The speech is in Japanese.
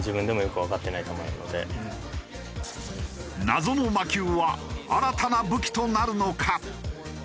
謎の魔球は新たな武器となるのか？